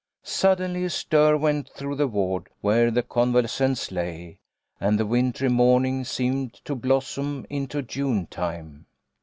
Suddenly a stir went through the ward where the convalescents lay, and the wintry morning seemed to blossom into June time.